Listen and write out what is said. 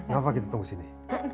gak apa kita tunggu sini